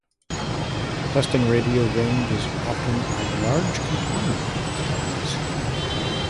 Testing radio range is often a large component to these hobbies.